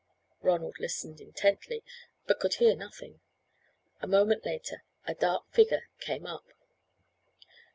Ronald listened intently, but could hear nothing. A moment later a dark figure came up.